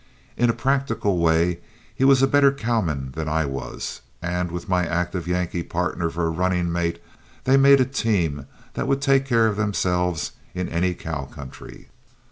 In a practical way he was a better cowman than I was, and with my active Yankee partner for a running mate they made a team that would take care of themselves in any cow country.